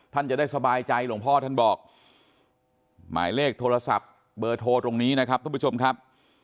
ท่านจะได้สบายใจหลวงพ่อท่านบอกหมายเลขโทรศัพท์เบอร์โทรตรงนี้นะครับทุกผู้ชมครับ